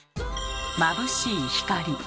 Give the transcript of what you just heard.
まぶしい「光」。